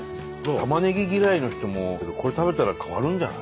たまねぎ嫌いの人もこれ食べたら変わるんじゃない？